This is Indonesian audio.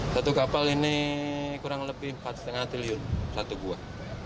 satu kapal ini kurang lebih empat lima triliun satu buah